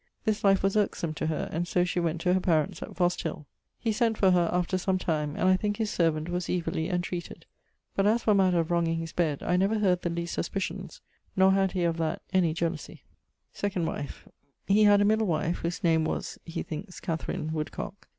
This life was irkesome to her, and so she went to her parents at Fost hill. He sent for her, after some time; and I thinke his servant was evilly entreated: but as for matter of wronging his bed, I never heard the least suspicions; nor had he, of that, any jealousie. <_Second wife._> He had a middle wife, whose name was (he thinkes, Katharin) Woodcock.